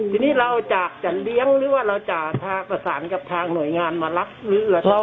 ทีนี้เราจะเลี้ยงหรือว่าเราจะผสานกับทางหน่วยงานมารับหรือเอา